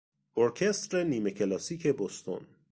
ارکستر نیمه کلاسیک بوستون